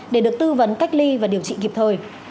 để được tư vấn cách ly và điều trị kịp thời